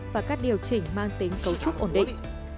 và hỗ trình mang tính cấu trúc ổn định